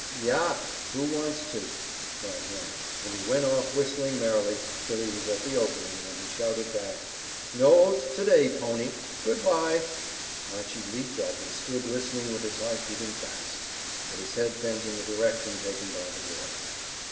"Yah! Who want's to?" cried Ram; and he went off whistling merrily till he was at the opening, when he shouted back, "No oats to day, pony. Good bye." Archy leaped up and stood listening with his heart beating fast, and his head bent in the direction taken by the boy.